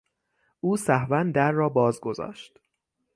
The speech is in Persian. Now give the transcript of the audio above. او سهوا در را باز گذاشت.